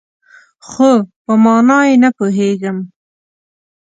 خو، په مانا یې نه پوهیږم